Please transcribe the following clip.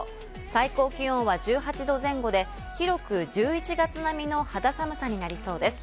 最高気温は１８度前後で広く１１月並みの肌寒さになりそうです。